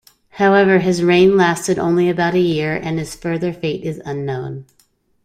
However, his reign lasted only about a year and his further fate is unknown.